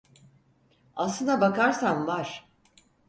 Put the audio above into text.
Aslına bakarsan var.